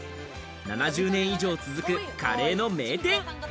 ７０年以上続くカレーの名店。